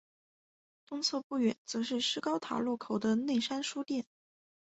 东侧不远则是施高塔路口的内山书店。